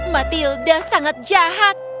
matilda sangat jahat